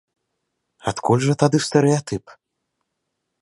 Адкуль жа тады стэрэатып?